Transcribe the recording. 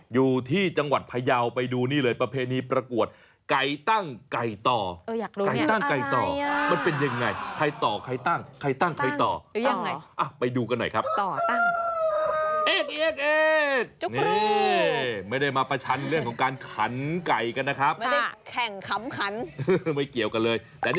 อยู่ที่จังหวัดพยาวไปดูนี่เลยประเภทนี้ประกวด